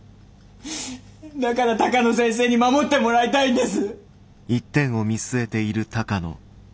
だから鷹野先生に守ってもらいたいんです！